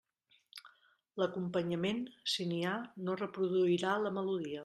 L'acompanyament, si n'hi ha, no reproduirà la melodia.